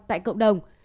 tại cộng đồng